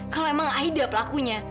kalau emang aida pelakunya